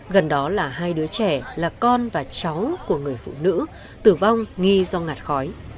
gần đó là hai đứa trẻ là con và cháu của người phụ nữ tử vong nghi do ngạt khói